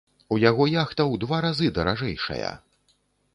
У яго яхта ў два разы даражэйшая.